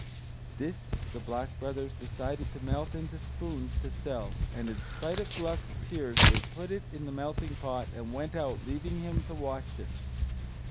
This the Black Brothers decided to melt into spoons, to sell; and in spite of Gluck's tears, they put it in the melting pot, and went out, leaving him to watch it.